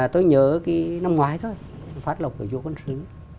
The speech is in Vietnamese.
tôi nhớ năm ngoái thôi phát lục của vua quân sứ